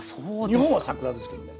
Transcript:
日本は桜ですけどね。